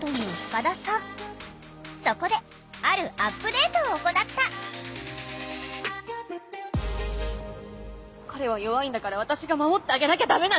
そこであるアップデートを行った彼は弱いんだから私が守ってあげなきゃダメなの。